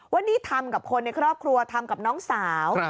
ว่านี่ทำกับคนในครอบครัวทำกับน้องสาว